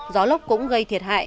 gió lốc cũng gây thiệt hại